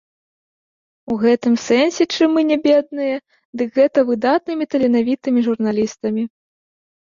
І ў гэтым сэнсе чым мы не бедныя, дык гэта выдатнымі таленавітымі журналістамі.